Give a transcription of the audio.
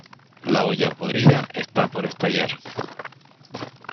La olla podrida está por estallar.